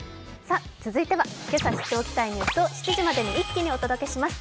続いては今朝知っておきたいニュースを７時までに一気にお届けします。